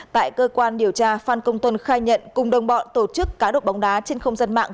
tại cơ quan điều tra phan công tuân khai nhận cùng đồng bọn tổ chức cá độ bóng đá trên không gian mạng